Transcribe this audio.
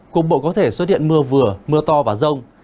cục bộ có thể xuất hiện mưa vừa mưa to và rông